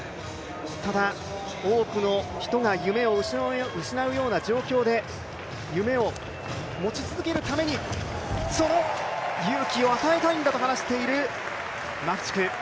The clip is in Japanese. ただ、多くの人が夢を失うような状況で夢を持ち続けるためにその勇気を与えたいんだと話しているマフチク。